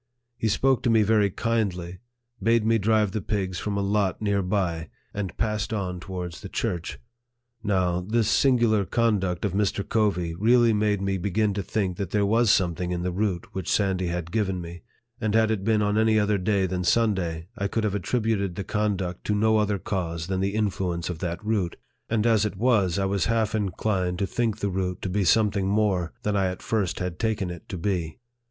He spoke to me very kindly, bade me drive the pigs from a lot near by, and passed on towards the church. Now, this singular conduct of Mr. Covey really made me begin to think that there was something in the root which Sandy had given me ; and had it been on any other day than Sunday, I could have attributed the conduct to no other cause than the LIFE OF FREDERICK DOUGLASS. 71 influence of that root ; and as it was, I was half in clined to think the root to be something more than 1 at first had taken it to be.